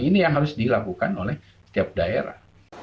ini yang harus dilakukan oleh setiap daerah